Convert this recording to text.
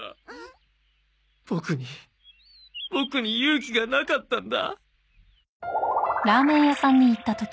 ボクにボクに勇気がなかったんだ。